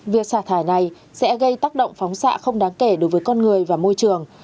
việc xả thải này sẽ gây tác động phóng xạ không đáng kể đối với con người và môi trường